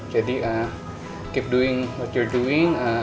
jadi keep doing what you're doing